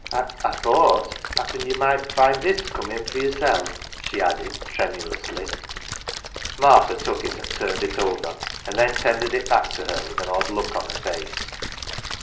"I thought happen you might find this come in for yerseP," she added tremulously. Martha took it and turned it over, and then tendered it back to her, with an odd look on her face.